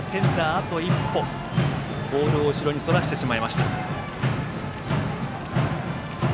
あと一歩ボールを後ろにそらしてしまいました。